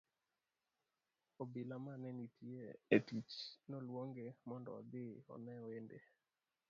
Obila mane nitie e tich noluonge mondo odhi one wende.